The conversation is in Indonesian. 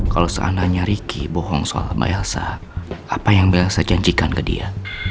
kalau seandainya riki bohong soal mbak elsa apa yang mbak elsa janjikan ke dia